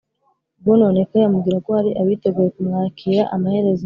rwononekaye, amubwira ko hari abiteguye kumwakira. amaherezo